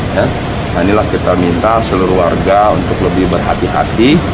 nah inilah kita minta seluruh warga untuk lebih berhati hati